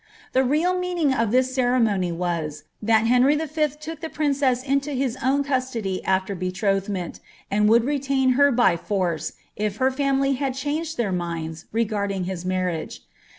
The real meaning of which ceremony was, that Henry V, took the princesi into his own custody afler betrothmeni. and would bave retaineil her by force^ if her family had changed their minds legarding hifl marriagr.